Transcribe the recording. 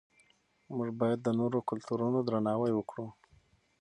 موږ باید د نورو کلتورونو درناوی وکړو.